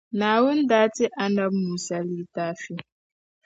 Naawuni daa ti Annabi Musa litaafi